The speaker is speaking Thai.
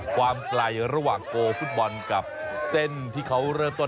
ความไกลระหว่างโกฟุตบอลกับเส้นที่เขาเริ่มต้น